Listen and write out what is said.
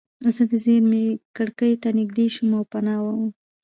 زه د زیرزمینۍ کړکۍ ته نږدې شوم او پناه وم